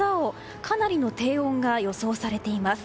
かなりの低温が予想されています。